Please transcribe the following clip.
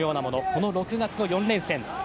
この６月の４連戦。